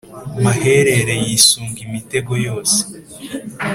maherere yisunga imitego yose